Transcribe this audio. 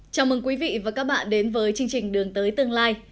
chào mừng quý vị và các bạn đến với chương trình đường tới tương lai